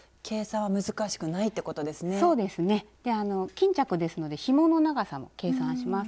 巾着ですのでひもの長さも計算します。